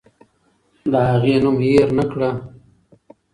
د هغې نوم هېر نکړه.